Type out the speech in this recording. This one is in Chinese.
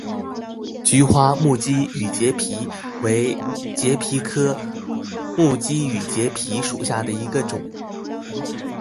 菊花木畸羽节蜱为节蜱科木畸羽节蜱属下的一个种。